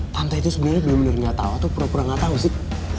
tante itu sebenernya bener bener nggak tau itu pura pura nggak tau sih